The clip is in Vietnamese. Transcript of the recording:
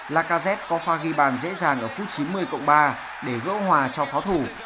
lacazette có pha ghi bàn dễ dàng ở phút chín mươi cộng ba để gỡ hòa cho pháo thủ